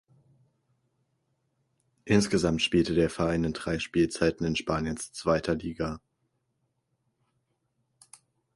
Insgesamt spielte der Verein in drei Spielzeiten in Spaniens zweiter Liga.